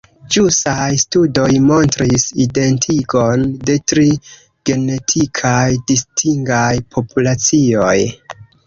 Ĵusaj studoj montris identigon de tri genetikaj distingaj populacioj.